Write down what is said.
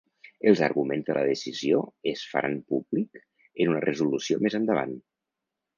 Els arguments de la decisió és faran públic en una resolució més endavant.